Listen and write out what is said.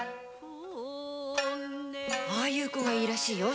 ああいう子がいいらしいよ